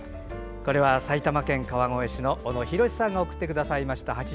これは埼玉県川越市の小野浩さんが送ってくださいました。